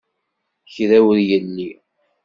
Kra ur yelli.